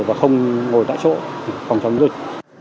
và không ngồi tại chỗ không chóng dịch